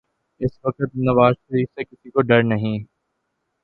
اس وقت نواز شریف سے کسی کو ڈر نہیں۔